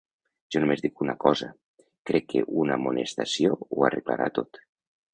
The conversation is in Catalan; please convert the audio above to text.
Jo només dic una cosa, crec que una amonestació ho arreglarà tot.